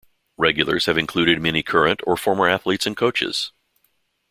Regulars have included many current or former athletes and coaches.